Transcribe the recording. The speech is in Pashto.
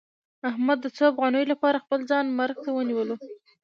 احمد د څو افغانیو لپاره خپل ځان مرګ ته ونیولو.